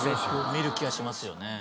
見る気はしますよね。